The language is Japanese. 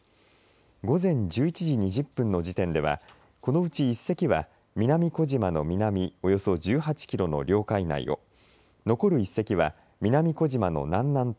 午前１１時２０分の時点ではこのうち１隻は南小島の南およそ１８キロの領海内を残る１隻は南小島の南南東